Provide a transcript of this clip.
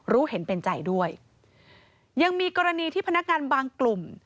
รู้เห็นเป็นใจด้วยยังมีกรณีที่พนักงานบางกลุ่ม